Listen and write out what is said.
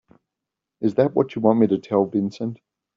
Is that what you want me to tell Vincent?